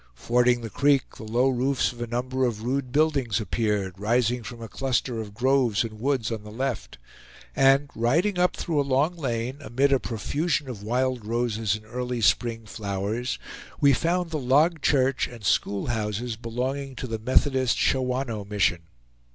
Fording the creek, the low roofs of a number of rude buildings appeared, rising from a cluster of groves and woods on the left; and riding up through a long lane, amid a profusion of wild roses and early spring flowers, we found the log church and school houses belonging to the Methodist Shawanoe Mission.